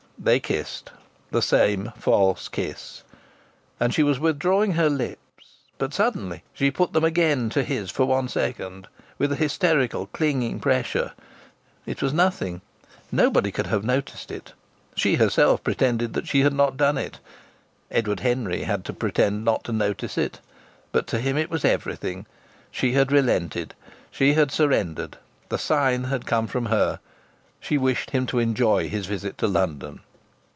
They kissed the same false kiss and she was withdrawing her lips ... But suddenly she put them again to his for one second, with a hysterical, clinging pressure. It was nothing. Nobody could have noticed it. She herself pretended that she had not done it. Edward Henry had to pretend not to notice it. But to him it was everything. She had relented. She had surrendered. The sign had come from her. She wished him to enjoy his visit to London.